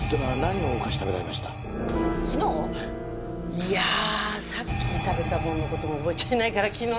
いやあさっき食べたものの事も覚えちゃいないから昨日の事はね。